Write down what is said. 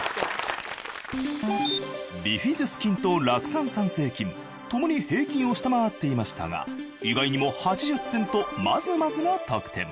ビフィズス菌と酪酸産生菌ともに平均を下回っていましたが意外にも８０点とまずまずの得点。